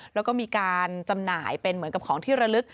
แล้วก็มีการจำหน่ายเป็นเหมือนกับของที่ระลึก